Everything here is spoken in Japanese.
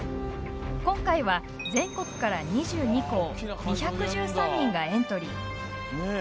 今回は全国から２２校、２１３人がエントリー。